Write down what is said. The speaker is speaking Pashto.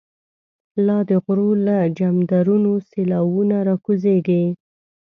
لا دغرو له جمدرونو، سیلاوونه ر ا کوزیږی